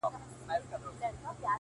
هغه له وېرې څخه لرې له انسانه تښتي”